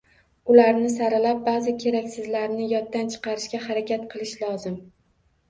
Ularni saralab, ba`zi keraksizlarini yoddan chiqarishga harakat qilish lozim